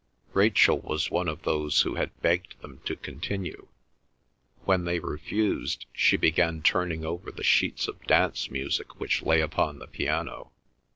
Rachel was one of those who had begged them to continue. When they refused she began turning over the sheets of dance music which lay upon the piano.